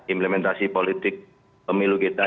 implementasi politik pemilu kita